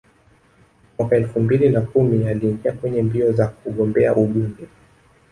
Mwaka elfu mbili na kumi aliingia kwenye mbio za kugombea ubunge